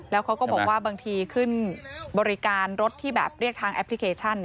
แล้วเขาก็บอกว่าบางทีขึ้นบริการรถที่แบบเรียกทางแอปพลิเคชัน